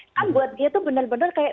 kan buat dia tuh benar benar kayak